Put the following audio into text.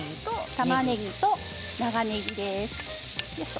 たまねぎと長ねぎです。